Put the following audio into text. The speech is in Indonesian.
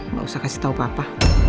nggak usah kasih tau papa